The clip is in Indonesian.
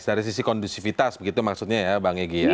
jadi kondusivitas begitu maksudnya ya bang egy ya